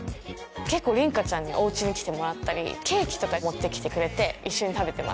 結構琳加ちゃんにお家に来てもらったりケーキとか持ってきてくれて一緒に食べてます。